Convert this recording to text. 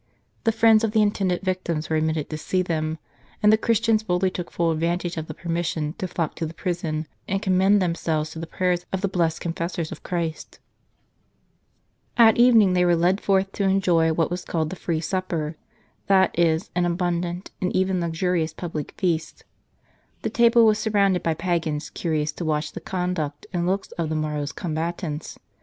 The friends of the intended victims were admitted to see them ; and the Christians boldly took full advantage of the permis sion to flock to the prison, and commend themselves to the prayers of the blessed confessors of Christ. At evening they were led forth to enjoy what was called the free supper, that is, an abundant, and even luxurious, public feast. The table was surrounded by pagans, curious to watch the con duct and looks of the morrow's combatants.